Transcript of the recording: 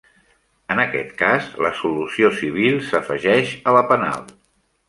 En aquest cas, la solució civil s'afegeix a la penal.